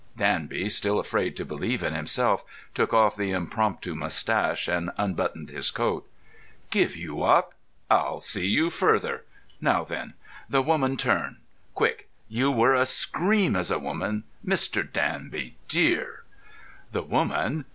Danby, still afraid to believe in himself, took off the impromptu moustache and unbuttoned his coat. "Give you up! I'll see you further. Now, then. The woman turn. Quick. You were a scream as a woman, Mr. Danby dear." "The woman!